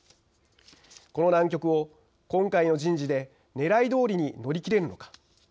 この難局を今回の人事でねらいどおりに乗り切れるのか。